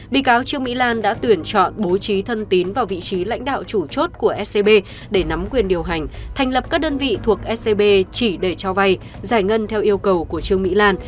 bị cáo trương mỹ lan đã tuyển chọn bố trí thân tín vào vị trí lãnh đạo chủ chốt của scb để nắm quyền điều hành thành lập các đơn vị thuộc scb chỉ để cho vay giải ngân theo yêu cầu của trương mỹ lan